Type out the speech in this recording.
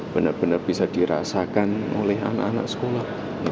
benar benar bisa dirasakan oleh anak anak sekolah